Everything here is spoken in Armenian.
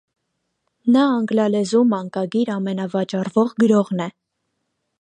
Նա անգլալեզու մանկագիր ամենավաճառվող գրողն է։